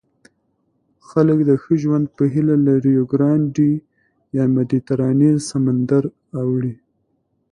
خلک د ښه ژوند په هیله له ریوګرانډي یا مدیترانې سمندر اوړي.